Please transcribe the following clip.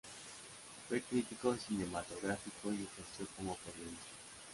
Fue crítico cinematográfico y ejerció como periodista.